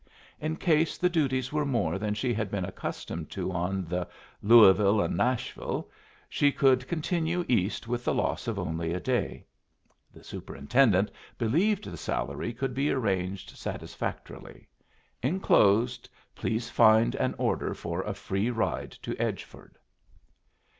In case the duties were more than she had been accustomed to on the Louisville and Nashville, she could continue east with the loss of only a day. The superintendent believed the salary could be arranged satisfactorily. Enclosed please to find an order for a free ride to Edgeford.